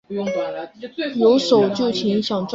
因位于旧鼓楼大街北侧而得名。